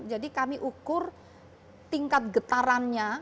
jadi kami ukur tingkat getarannya